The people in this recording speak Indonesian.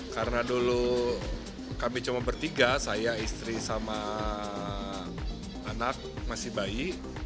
karena dulu kami cuma bertiga saya istri sama anak masih bayi